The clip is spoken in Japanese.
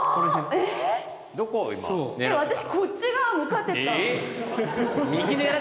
えっ私こっち側向かってた。